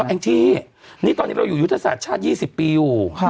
แองจี้นี่ตอนนี้เราอยู่ยุทธศาสตร์ชาติ๒๐ปีอยู่